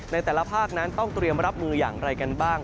ในแต่ละภาคนั้นต้องเตรียมรับมืออย่างไรกันบ้าง